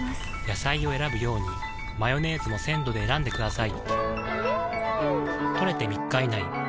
野菜を選ぶようにマヨネーズも鮮度で選んでくださいん！